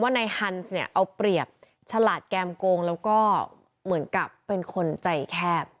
นายฮันส์เนี่ยเอาเปรียบฉลาดแก้มโกงแล้วก็เหมือนกับเป็นคนใจแคบ